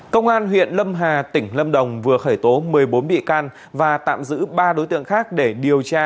công an huyện lâm hà tỉnh lâm đồng vừa khởi tố một mươi bốn bị can và tạm giữ ba đối tượng khác để điều tra